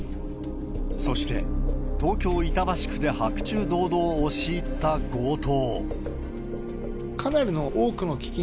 そして、東京・板橋区で白昼堂々押し入った強盗。